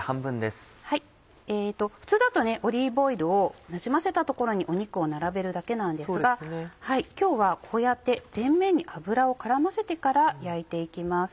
普通だとオリーブオイルをなじませたところに肉を並べるだけなんですが今日はこうやって全面に油を絡ませてから焼いて行きます。